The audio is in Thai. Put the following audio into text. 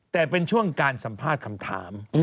แต่เป็นช่วงการสัมภาษณ์คำถาม